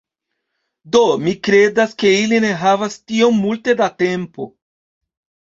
Do, mi kredas, ke ili ne havas tiom multe da tempo